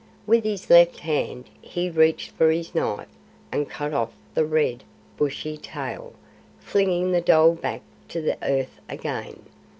With his left hand he reached for his knife and cut off the red, bushy tail, flinging the dhole back to earth again.